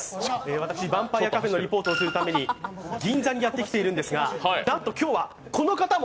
私、ヴァンパイアカフェのリポートをするために銀座にやってきているんですが、なんと今日はこの方も！